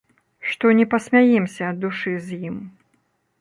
Што не пасмяемся ад душы з ім.